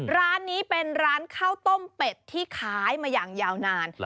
ร้านนี้เป็นร้านข้าวต้มเป็ดที่ขายมาอย่างยาวนาน